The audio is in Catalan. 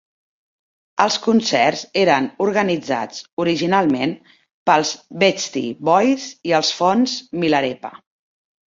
Els concerts eren organitzats originalment pels Beastie Boys i el Fons Milarepa.